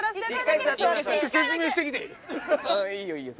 いいよいいよ